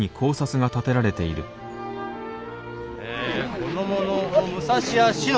「この者武蔵屋しの。